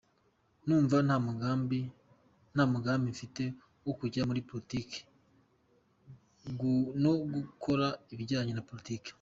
Numva nta mugambi mfite wo kujya muri politiki no gukora ibijyanye na politike…”